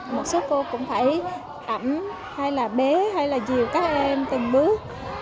một số cô cũng phải ẩm hay là bế hay là dìu các em từng bước